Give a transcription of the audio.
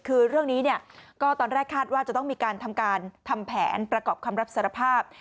คือเรื่องนี้ตอนแรกคาดว่าจะต้องมีการทำแผนประกอบคำรับสารภาพ